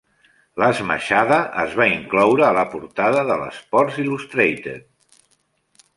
L'esmaixada es va incloure a la portada de l'"Sports Illustrated".